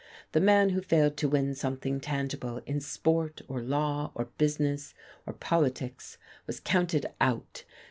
The man who failed to win something tangible in sport or law or business or politics was counted out.